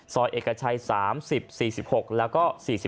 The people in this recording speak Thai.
เอกชัย๓๐๔๖แล้วก็๔๔